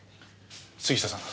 杉下さん。